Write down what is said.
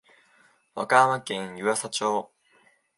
和歌山県湯浅町